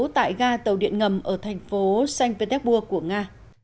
tại ga tàu điện ngầm ở thành phố saint petersburg của nga